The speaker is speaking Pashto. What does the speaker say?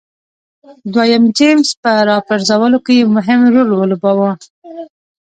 دویم جېمز په راپرځولو کې یې مهم رول ولوباوه.